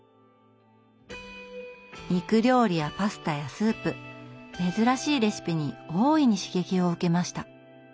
肉料理やパスタやスープ珍しいレシピに大いに刺激を受けました。